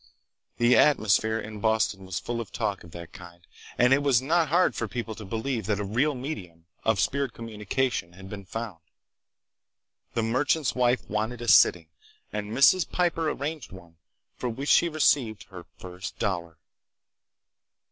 The atmosphere in Boston was full of talk of that kind, and it was not hard for people to believe that a real medium of spirit communication had been found. The merchant's wife wanted a sitting, and Mrs. Piper arranged one, for which she received her first dollar.